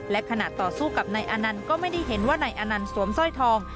และขณะต่อสู้กับนายอานันต์ก็ไม่ได้เห็นว่านายอนันต์สวมสร้อยทอง